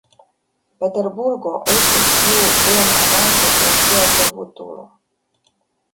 Peterburgo estis iu bienhavanto kun sia servutulo.